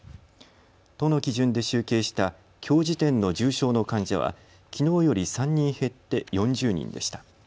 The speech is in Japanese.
都の基準で集計したきょう時点の重症の患者はきのうより３人減って４０人でした。